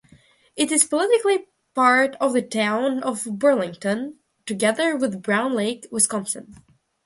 It is politically part of the Town of Burlington, together with Browns Lake, Wisconsin.